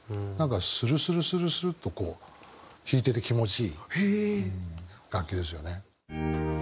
なんかスルスルスルスルッとこう弾いてて気持ちいい楽器ですよね。